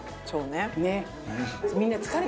ねっ！